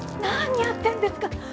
何やってるんですか？